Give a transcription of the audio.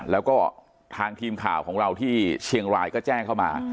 แล้วก็ทางทีมข่าวของเราที่เชียงรายก็แจ้งเข้ามา